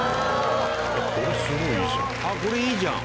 これすごいいいじゃん！